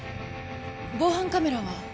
防犯カメラは？